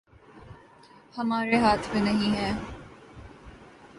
ہمارے ہاتھ میں نہیں ہے